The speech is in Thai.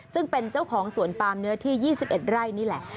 ซึ่งเป็นเจ้าของสวนปามเนื้อที่๒๑ไร่นี่แหละ